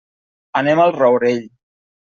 Anem al Rourell.